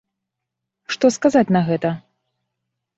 Што сказаць на гэта?!